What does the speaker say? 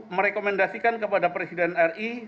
merekomendasikan kepada presiden ri